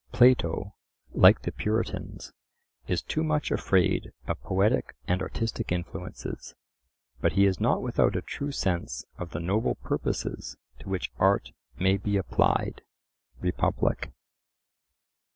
Plato, like the Puritans, is too much afraid of poetic and artistic influences. But he is not without a true sense of the noble purposes to which art may be applied (Republic).